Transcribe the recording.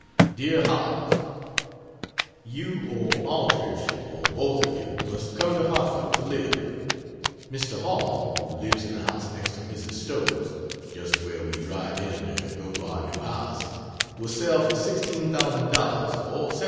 DEAR HOWELLS, You or Aldrich or both of you must come to Hartford to live. Mr. Hall, who lives in the house next to Mrs. Stowe's (just where we drive in to go to our new house) will sell for $16,000 or $17,000.